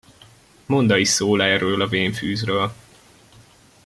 Monda is szól erről a vén fűzről.